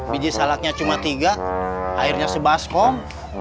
biji salaknya cuma tiga airnya sebaspong